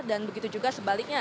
dan begitu juga sebaliknya